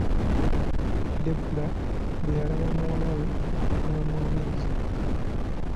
Debula bwe yalaba muwala we n'amwaniriza .